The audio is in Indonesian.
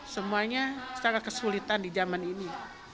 semuanya sangat kesulitan di zaman ini